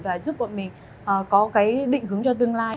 và giúp bọn mình có cái định hướng cho tương lai